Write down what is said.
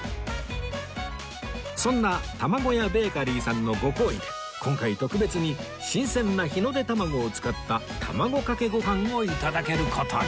そんな ＴＡＭＡＧＯＹＡ ベーカリーさんのご厚意で今回特別に新鮮な日の出たまごを使った卵かけご飯を頂ける事に